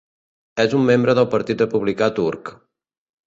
És un membre del partit republicà turc.